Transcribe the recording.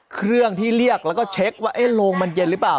เครื่องที่เรียกแล้วก็เช็คว่าโรงมันเย็นหรือเปล่า